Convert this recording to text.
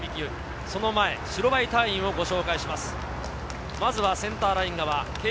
その前、白バイ隊員をご紹介します。